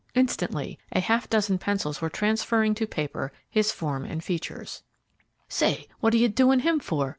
Instantly a half dozen pencils were transferring to paper his form and features. "Say, what are you 'doing' him for?"